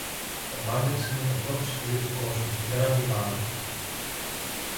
Ο Μάγκας είναι το πρώτο σκυλί του κόσμου, δεν αμφιβάλλω!